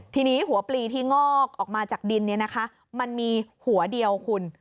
ทีนี้หัวปลีที่งอกออกมาจากดินมันมีหัวเดียวคุณ